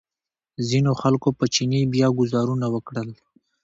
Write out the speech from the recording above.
ځینو خلکو په چیني بیا ګوزارونه وکړل.